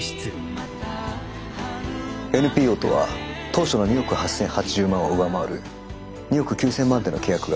ＮＰＯとは当初の２億８，０８０万を上回る２億９，０００万での契約が決まりました。